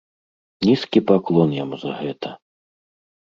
Нізкі паклон яму за гэта!